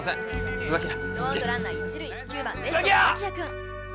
椿谷！